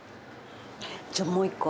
じゃあもう一個。